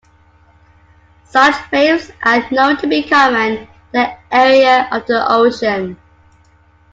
Such waves are known to be common in that area of the ocean.